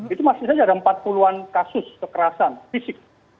itu maksudnya ada empat puluh an kasus kekerasan fisik